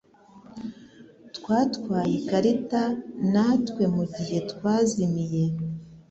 Twatwaye ikarita natwe mugihe twazimiye